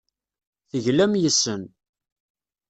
Teglam yes-sen.